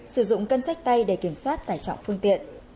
sử dụng cân sách tay để kiểm soát tải trọng phương tiện